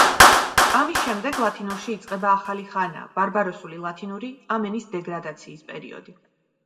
ამის შემდეგ ლათინურში იწყება ახალი ხანა „ბარბაროსული ლათინური“, ამ ენის დეგრადაციის პერიოდი.